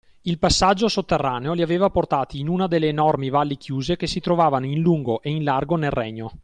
Il passaggio sotterraneo li aveva portati in una delle enormi valli chiuse che si trovavano in lungo e in largo nel Regno.